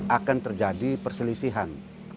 akan terjadi perselisihan